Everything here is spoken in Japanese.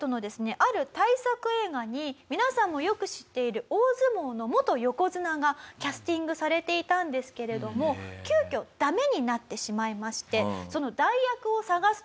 ある大作映画に皆さんもよく知っている大相撲の元横綱がキャスティングされていたんですけれども急きょダメになってしまいましてその代役を探すという依頼がですね